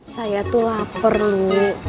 saya tuh lapar dulu